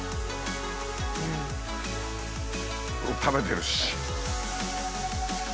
食べてるし。